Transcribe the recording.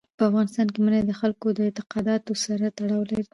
په افغانستان کې منی د خلکو د اعتقاداتو سره تړاو لري.